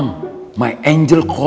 angel aku yang menelepon